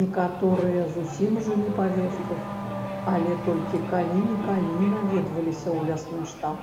Некаторыя зусім жылі па вёсках, але толькі калі-нікалі наведваліся ў лясны штаб.